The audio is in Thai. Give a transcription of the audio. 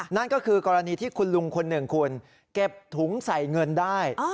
นั่นก็คือกรณีที่คุณลุงคนหนึ่งคุณเก็บถุงใส่เงินได้